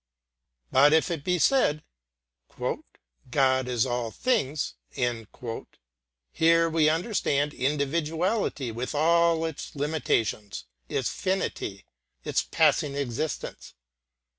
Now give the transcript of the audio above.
But if it be said "God is all things," here we understand individuality with all its limitations, its finity, its passing existence.